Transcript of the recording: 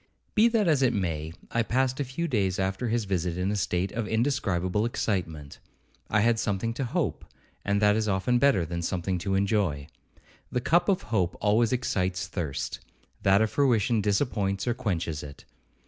Be that as it may, I passed a few days after his visit in a state of indescribable excitement. I had something to hope, and that is often better than something to enjoy. The cup of hope always excites thirst, that of fruition disappoints or quenches it.